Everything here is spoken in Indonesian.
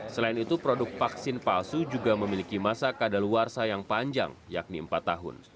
selain itu produk vaksin palsu juga memiliki masa kadaluarsa yang panjang yakni empat tahun